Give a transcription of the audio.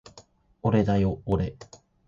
おれだよおれ